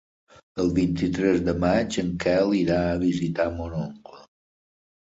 El vint-i-tres de maig en Quel irà a visitar mon oncle.